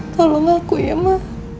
tolong aku ya ma